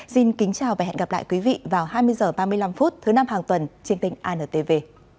xin kính chào và hẹn gặp lại quý vị vào hai mươi h ba mươi năm thứ năm hàng tuần trên kênh antv